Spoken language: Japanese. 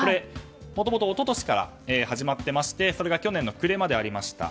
もともと一昨年から始まっていましてそれが去年の暮れまでありました。